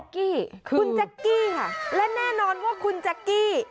คุณแจ๊กกี้ค่ะและแน่นอนว่าคุณแจ๊กกี้